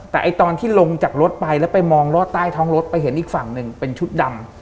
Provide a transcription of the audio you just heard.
แต่ตอนที่ลงจากรถไปแล้วไปมองรอดใต้ท้องรถไปเห็นอีกฝั่งหนึ่งเป็นชุดดำ